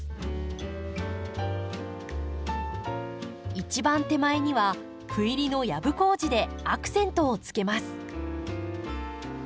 一番手前には斑入りのヤブコウジでアクセントをつけます。